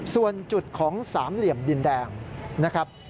ส่วนจุดของสามเหลี่ยมดินแดงนะครับ